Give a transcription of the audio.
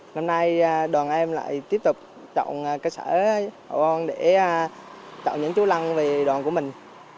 năm nay đoàn em lại tiếp tục trọng cơ sở hậu on để trọng những chú lăng về đoàn của mình